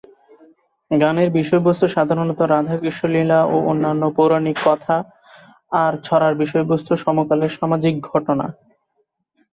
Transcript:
গানের বিষয়বস্ত্ত সাধারণত রাধাকৃষ্ণলীলা ও অন্যান্য পৌরাণিক কথা, আর ছড়ার বিষয়বস্ত্ত সমকালের সামাজিক ঘটনা।